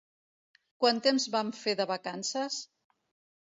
Quant temps van fer de vacances?